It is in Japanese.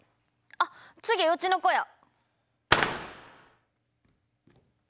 あっ次うちの子や。